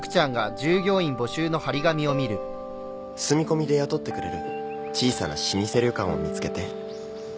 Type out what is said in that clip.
住み込みで雇ってくれる小さな老舗旅館を見つけて。